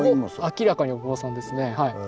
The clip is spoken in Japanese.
明らかにお坊さんですねはい。